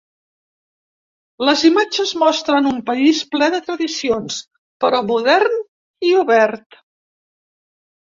Les imatges mostren un país ple de tradicions, però modern i obert.